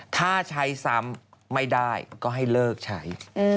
ถ้าใช้ซ้ำไม่ได้ก็ให้เลิกใช้